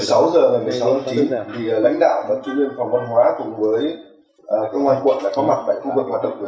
chạy thử chương trình